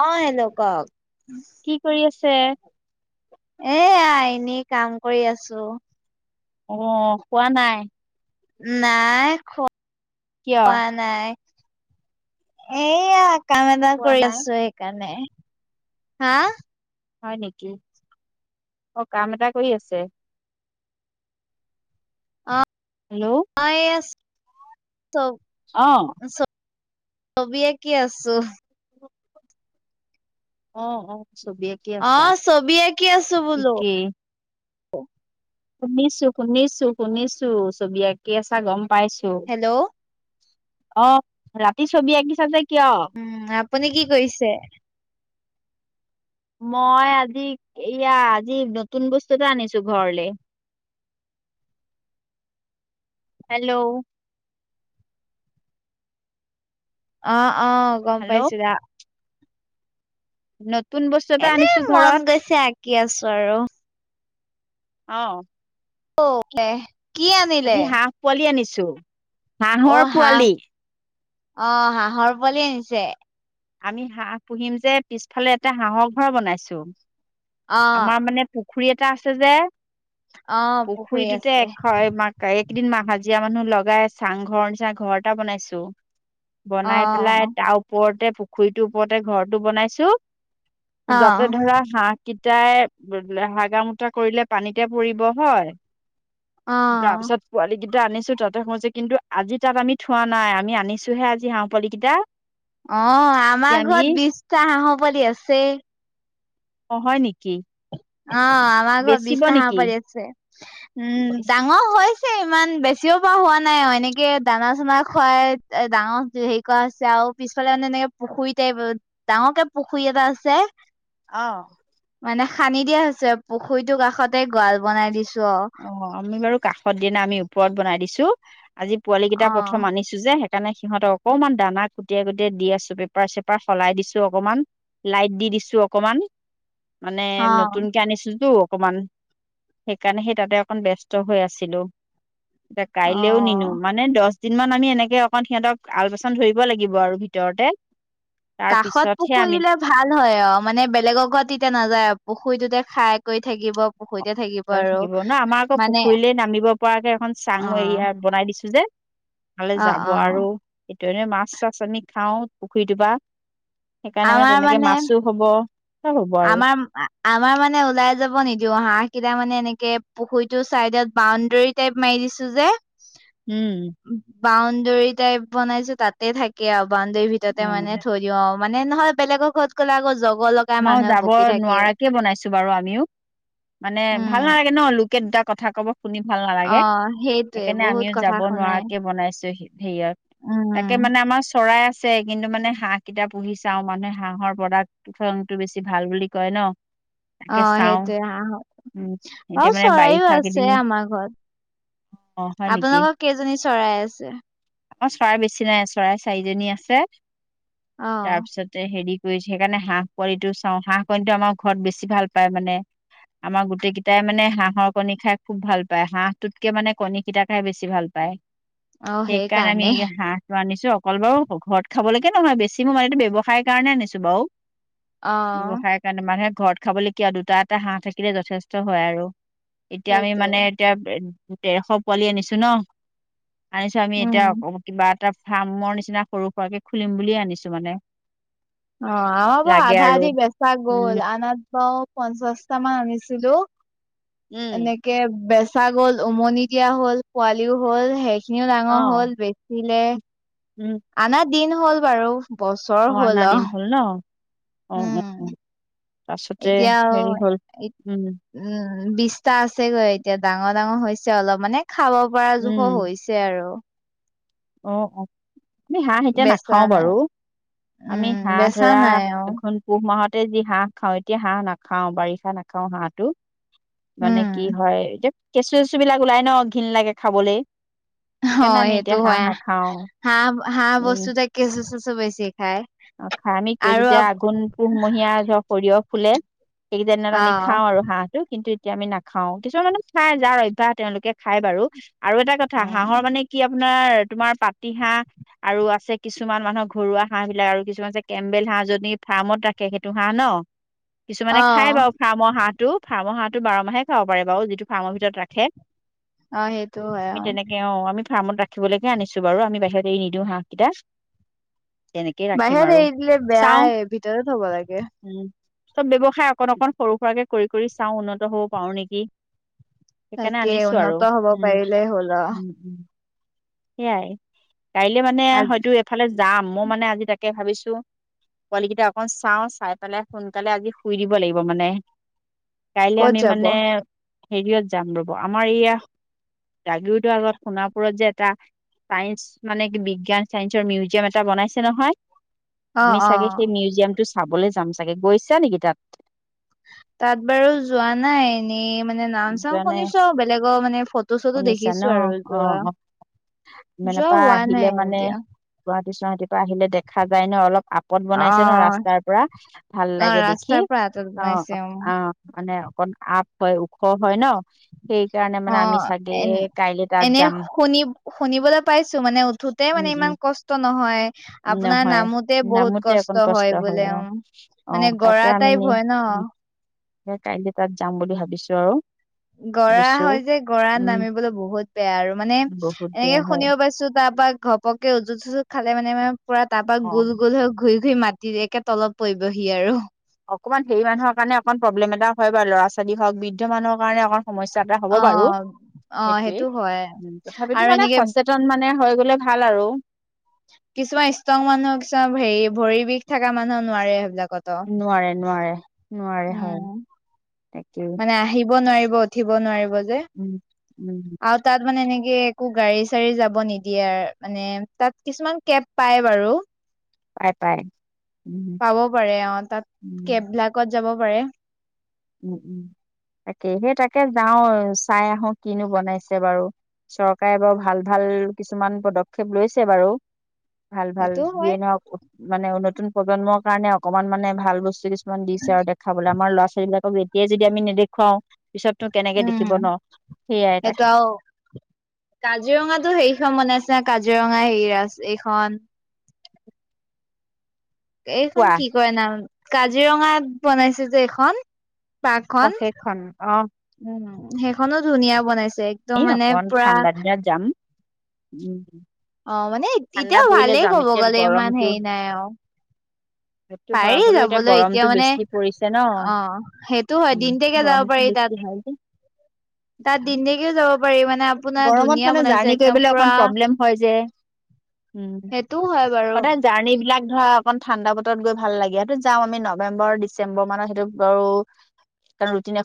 অ hello কওক? কি কৰি আছে? এয়া এনেই কাম কৰি আছো। অ খোৱা নাই? নাই খ কিয় পোৱা নাই। এইয়া কাম এটা শুৱা কৰি নাই আছো সেইকাৰণে। হা? হয় নেকি? অ কাম এটা কৰি আছে? হেল্ল' [unintelligible] তপ অ চ ছবি আঁকি আছো। অ অ। ছবি আঁকি অ আছা ছবি আঁকি আছো বোলো। ঠিকেই ত শুনিছো শুনিছো শুনিছো ছবি আঁকি আছা গম পাইছোঁ। হেল্ল' অ' ৰাতি ছবি আকিছা যে কিয়? উম, আপুনি কি কৰিছে? মই আজি এয়া আজি নতুন বস্তু এটা আনিছো ঘৰলে, হেলো! অ' অ' গম হেল্ল' পাইছো [unintelligible] [unintelligible] এটা এনেই আনিছো মন ঘৰত গৈছে [unintelligible] আছোঁ আৰু। অ'। [unintelligible] আজি হাঁহ পোৱালি আনিছোঁ। [unintelligible] অ হাঁহৰ হাঁহ পোৱালি। অ, হাঁহৰ পোৱালি আনিছে? আমি হাঁহ পুহিম যে পিছফালে এটা হাঁহৰ ঘৰ বনাইছো। অ আমাৰ মানে পু পুখুৰী এটা আছে যে অ পুখুৰী পুখুৰীটোতে আছে এশ এক একিদিন হাজিৰা মানুহ লগাই চাংঘৰ নিচিনা ঘৰ এটা বনাইছো। অ বনাই পেলাই তাৰ ওপৰতে পু খুৰীটোৰ ওপৰতে ঘৰটো বনাইছো। অ অ যাতে ধৰা হাঁহ তিতাই হাগা মুতা কৰিলে পানীতে পৰিব হয়। অ তাৰ পিছত পোৱালি দি তে আনিছো তাতে সজে কিন্তু আজি তাত আমি থোৱা নাই, আমি আনিছোহে আজি হাঁহ পোৱালি কেইটা। অ', আজি আমাৰ আমি ঘৰত বিশটা হাঁহৰ পোৱালি আছেই। অ' হয় নেকি। অ', আমাৰ ঘৰত বেচিব বিশটা হাঁহৰ নেকি পোৱালি আছে। উম, ডাঙৰ হৈ এ ইমান বেছিও পৰা হোৱা নাই এনেকে দানা চানা খুৱাই ডাঙৰ হেৰি কৰা হৈছে আৰু পিছফালে মানে এনেকে পুখুৰী টাইপ, ডাঙৰকে পুখুৰী এটা আছে। অ'। মানে খান্দি দিয়া হৈছে পুখুৰীটোৰ কাষতে গৰাল বনাই দিছ অ' আমি বাৰু কাষত দি নাই আমি ওপৰত বনাই দিছোঁ। আজি পোৱালি কেইটা অ প্ৰথম আনিছো যে সেইকাৰণে সিহঁতে অকণমান দানা কুটিয়াই কুটিয়াই দি আছো পেপাৰ চেপাৰ সলাই দিছো অকমান, লাইট দি দিছো অকমান। মানে অ নতুনকে অনিচুটো। অকমান, সেইকাৰণে সেই তাতে অকন ব্যস্ত হৈ আছিলো। ইটা অ কাইলেও নিনো অ মানে দহ যিমান আমি এনেকে অকণ সিহঁতক আলপচন ধৰিব লাগিব আৰু ভিতৰতে। তাৰ কাষত পিছতহে পুখুৰী আমি দিলে ভাল হয় অ, মানে বেলেগৰ ঘৰত তেতিয়া নাযায়। পুখুৰীটোতে খাই কৰি থাকিব। পুখুৰীতে তাতে আৰু থাকিব না আমাৰ আকৌ মানে পুখুৰীলে নামিব পৰাকে এখন চাং অ', এয়া বনাই দিছো যে। ভালে অ', যাব আৰু অ', তেনে মাছ চাছ আমি খাওঁ, পুখুৰীটোৰ পৰা। সেইকাৰণে মানে তেনেকে মাছো হ'ব। চব হ'ব আৰু আমাৰ আ আমাৰ মানে ওলাই যাব নিদিও হাঁহ কেইটা মানে এনেকে পুখুৰীটোৰ চাইডত বাউণ্ডৰী টাইপ মাৰি দিছো যে। উম। বাউণ্ডৰী টাইপ বনাইছো তাতে থাকে আৰু। বাউণ্ডেৰীৰ ভিতৰতে মানে উম থৈ দিওঁ। মানে নহয় বেলেগৰ ঘৰত গলে আকৌ জগ মই যাব নোৱাৰাকে বনাইছো বাৰু আমিও। মানে ভাল উম নালাগে ন লোক [unintelligible] কথা কব। শুনি ভাল নালাগে, অ', সেইটোৱে সেইকাৰণে বহুত আমিও কথা যাব শুনাই নোৱাৰাকে বনাইছোহি। হেয়াত। তাকে উম মানে আমাৰ চৰাই আছ ছে, কিন্তু মানে হাঁহ কিটা পুহি চাওঁ, মানুহে হাঁহৰ প্ৰডাক্ট টো বেছি ভাল বুলি কয় ন? অ তাকে চাওঁ সেইটোৱে হাঁহৰ, উম আও এতিয়া মানে চৰাইও বাৰিষা কেইদিন আছে আমাৰ ঘৰত, অ হয় আপোনালোকৰ কেইজনী চৰাই আছে? অ চৰাই বেছি নাই, চৰাই চাঈজনী আছে অ', তাৰপিছতে হেৰি [inaudible] হাঁহ পোৱালিটো চাওঁ, হাঁহ কণীটো আমাৰ ঘৰত বেছি ভাল পায় মানে, আমাৰ গোটেই কেইটাই মানে হাঁহৰ কণী খাই খুব ভাল পায়। হাঁহটোতকে মানে কণী কেইটা খাই বেছি ভাল পায়। অ', সেইকাৰণে আমি সেইকাৰণে এয়া হাঁহটো আনিছ টো অকল বাৰু ঘৰত খাবলৈকে নহয়, বেছিম ও মানে এইটো ব্যৱসায়ৰ কাৰণে আনিছো বাৰু। অ', ব্যৱসায় কাৰনে মানহে ঘৰত খাবলৈ কিয় দুটা এটা হাঁহ থাকিলে যথেষ্ট হয় আৰু। এতিয়া আমি মানে সেইটোৱে এতিয়া দেৰ শ পোৱালি আনিছোঁ ন। আনিছোঁ আমি এতিয়া উম অ কিবাত টা ফাৰ্মৰ নিচিনা সৰু সুৰাকে খুলিম বুলিয়ে আনিছোঁ মানে [unintelligible] লাগে আধা আৰু আধি বেচা গ'ল। উম [unintelligible] পঞ্চাচটা মান আনিছিলো। উম এনেকে বেচ ছা গ'ল, উমনি দিয়া হ'ল, পোৱালিও হ'ল, হে খিনিও ডাঙৰ অ হ'ল, বেচিলে উম। আনা দিন হ'ল বাৰু। বছৰ আনা হ'ল আও। দিন ন অ, অ, অ। তাছতে এতিয়া হেৰি হ'ল, উম। বিছটা আছেগৈ এতিয়া, ডাঙৰ ডাঙৰ হৈছে অলপ মানে খাব পাৰা জোখৰ হৈছে আৰু। অঁ, অঁ আমি হাঁহ এতিয়া বেচা নাখাও নাই বাৰু আমি উম হাঁহ বেচা ধৰা নাই অ আঘোণ পুহ মাহত তাতে যি হাঁহ খাওঁ এতিয়া হাঁহ নাখাওঁ বাৰিষা নাখাওঁ হাঁহটো। মানে উম কি হয় যে কেঁচু চেচু বিলাক ওলাই ন ঘিন লাগে খাবলে। হয় সেইটো। হয় হাঁহ বস্তুটোৱে কেচু চেচু বেছি খায় অ', খায় আমি আৰু যেতিয়া আপ আঘোণ পুহমহীয়া ধৰক সৰিয়হ ফুলে। সেইকেইটাদিনত অ আমি খাওঁ আৰু হাঁহটো কিন্তু এতিয়া আমি নাখাওঁ কিছুমান মানে খাই যাৰ অভ্যাস তেওঁলোকে খাই বাৰু। আৰু এটা কথা অ হাঁহৰ মানে কি আপোনাৰ তোমাৰ পাতি হাঁহ আৰু আছে কিছুমান মানুহৰ ঘৰুৱা হাঁহ বিলাক আৰু কিছুমান কেম্বেল হাঁহ যদি ফাৰ্মত ৰাখে সেইটো হাঁহ ন অ কিছুমানে খাই বাৰু ফাৰ্মৰ হাঁহ হাঁহটো ফাৰ্মৰ হাঁহটো বাৰ মাহে খাব পাৰি বাৰু যিটো ফাৰ্মৰ ভিতৰত ৰাখে। অ', সেইটো হয় আমি অঁ তেনেকে অ আমি ফাৰ্মত ৰাখিবলৈকে আনিছো বাৰু আমি বাহিৰত এৰি নিদিওঁ হাঁহকেইটা তেনেকে বাহিৰত এৰি দিলে বেয়াই ভিতৰত থব লাগে। উম, চব ব্যৱসায় অকন অকন সৰু সুৰাকে কৰি কৰি চাও উন্নত হব পাৰো নেকি। সেইকাৰণে তাকে আনিছো আৰু। উন্নত হব উম, পাৰিলে হ'ল আৰু। উম, উম। সেয়াই। কাইলৈ মানে আৰু হয়তো এফালে যাম মই মানে আজি তাকে ভাবিছো পোৱালি কেইটা অকন চাওঁ চাই পেলাই সোনকালে আজি শুই দিব লাগিব মানে কাইলে ক'ত আমি যাব মানে হেৰিয়ত যাম ৰ'ব আমাৰ এইয়া জাগীৰোডৰ আগত সোণাপুৰত যে এটা চাইন্স মানে কি বিজ্ঞান চাইন্সৰ মিউজিয়াম এটা বনাইছে নহয়। অ আমি অ চাগে সেই মিউজিয়ামটো চ চাবলৈ যাম চাগে। ‌ গৈছা নেকি তাত? তাত বাৰু যোৱা নাই। এনেই মান- নে মানে নাম-চাম যোৱা নাই শুনিছোঁ আৰু, বেলেগৰ মানে ফটো-চটো শুনিছা ন দেখিছোঁ আৰু যোৱা। অ', অ'। ‌ যোৱা হোৱা নাই এতিয়া। গুৱাহাটীৰ পৰা আহিলে দেখা যায় ন অলপ- আপত অ বনাইছে ন ৰাস্তাৰ পৰা। ভাল অ লাগে দেখি। ৰাস্তাৰ পৰা আঁতৰত অঁ বনাইছে অ অঁ মানে- অকন আপ হয় উ ওখ হয় ন? সেইকাৰণে মানে আমি অহ, চাগে এন কাইলে তাত এনে, যাম শুনি শুনিবলৈ পাইছোঁ মানে, উঠোঁতে মানে উম উম ইমান কষ্ট নহয়। আপোনাৰ নহয় নামোতে বহুত নামোতে অকণ কষ্ট হয় বোলে অ উম, অ মানে গৰা টাইপ হয় ন। জে কাইলৈ তাত যাম বুলি ভাবিছোঁ আৰু। গৰা ভাবিছো হয় যে, গৰাত উম নামিবলৈ বহুত বেয়া আৰু। মানে, বহুত এনেকে বেয়া হয় শুনিব পাইছোঁ, তাৰ পৰা ঘপকে উজুত-চজুত খালে মানে পুৰা তাৰ পৰা অ গোল গোল হৈ ঘূৰি সি মাটিৰ, একে তলত পৰিবহি আৰু। অকণমান হেৰি মানুহ কাৰণ অকণ প্ৰব্লেম এটা হয় বাৰু। ল'ৰা-ছোৱালী হওঁক, বৃদ্ধ মানুৰ কাৰণে অকণ সমস্যা এটা হ'ব অ বাৰু। অ সেইটো সেইটোৱেই, হয় উম, তথাপিতো আৰু মানে এনেকে সচেতন মানে হৈ গ'লে ভাল আৰু। কিছুমান ষ্ট্ৰং মানুহ, কিছুমান হেৰি ভৰিৰ বিষ থকা মানুহ নোৱাৰে সেই নোৱাৰে নোৱাৰে, নোৱাৰে, হয়। উম তাকেই। মানে আহিব নোৱাৰি ব উঠিব নোৱাৰিব। যে। উম, উম। আৰু তাত মানে এনে কে একো গাড়ী-চাড়ী যাব নিদিয়ে। মানে, তাত কিছুমান কেব পায় বাৰু। পাই পাই। উম, পাব পাৰে। অহ তাত, উম, কেব বিলাকত যাব পাৰে। উম উম, তাকেই। ‌ সেই তাকে যাওঁ, চাই আহোঁ কিনো বনাইছে বাৰু। চৰকাৰে বাৰু ভাল ভাল কিছুমান পদক্ষেপ লৈছে বাৰু। ভাল ভাল। সেইটো হয় যিয়ে নহওক উত, মানে উন্নত নতুন প্ৰজন্মৰ কাৰণে অকনমান মানে ভাল বস্তু কিছ ছোমান দিছে আৰু দেখাবলৈ। আমাৰ ল'ৰা-ছোৱালীবলাক কোক এতিয়াই যদি আমি নেদেখুৱাও কেনেকে উম, দেখিব ন। সেইয়াই তাক সেইটো আৰু, কাজিৰঙাত তো সেইখন বনাই আছে, কাজিৰঙা হেৰি আছ, এইখন এইখন কোৱা কি কয় নাম কাজিৰঙাত বনাইছে যে এইখন পাৰ্কখন অ' সেইখন অ'। উম। সেইখনো ধুনীয়া বনাইছে। একদম এ মানে অকন পুৰা ঠাণ্ডা দিনত যাম। উম। অ' মানে ঠাণ্ডা এতিয়াও পৰিলে ভালেই যাম ক'ব এতিয়া গ'লে ইমান গৰমটো হেৰি নাই আৰু। সেইটো হয় পাৰি হ'লেও যাবলৈ গৰমটো এতিয়া মানে বেছি পৰিছে ন। অ' সেইটো হয় উম, যাব গৰমটো পাৰি বেছি হয় যে। তাত তিন তাৰিখে, তাত যাব পাৰি মানে আপোনাৰ গৰমত ধুনীয়া মানে বনাইছে জাৰ্নী একদম কৰিবলৈ অকন পুৰা প্ৰব্লেম হয় যে। উম, সেইটোও হয় বাৰু। সদায় জাৰ্নী বিলাক ধৰা অকন ঠাণ্ডা বতৰত গৈ ভাল লাগে সেইটো যাওঁ আমি নৱেম্বৰ ডিচেম্বৰ মানত সেইটো বাৰু, কাৰণ ৰুটিন এ